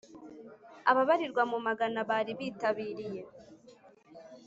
ababarirwa mu magana bari bitabiriye